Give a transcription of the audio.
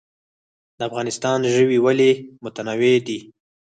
د افغانستان ژوي ولې متنوع دي؟